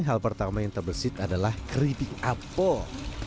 hal pertama yang terbersit adalah keripik apel